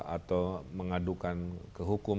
atau mengadukan kehukum